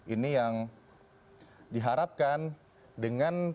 ini yang diharapkan dengan